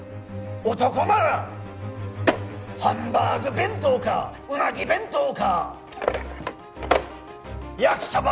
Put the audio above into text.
男ならハンバーグ弁当かうなぎ弁当か焼きサバ